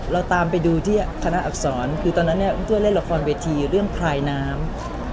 เราตามไปดูที่คณะอักษรคือตอนนั้นเนี่ยคุณตัวเล่นละครเวทีเรื่องคลายน้ำ